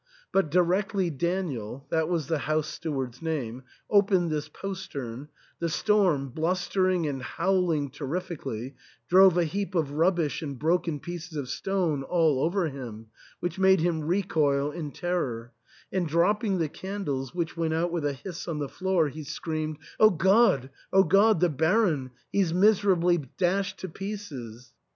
But directly Daniel (that was the house steward's name) opened this postern, the storm, blustering and howling terrifically, drove a heap of rubbish and broken pieces of stones all over him, which made him recoil in terror ; and, dropping the candles, which went out with a hiss on the floor, he screamed, " O God ! O God ! The Baron ! he's miserably dashed to pieces